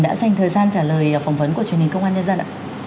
đã dành thời gian trả lời phỏng vấn của truyền hình công an nhân dân ạ